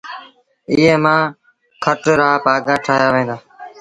ايئي مآݩ کٽ رآ پآڳآ ٺآهيآ وهيݩ دآ۔